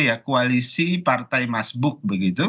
ya koalisi partai masbuk begitu